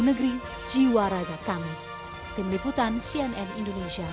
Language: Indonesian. negeri jiwa raga kami tim liputan cnn indonesia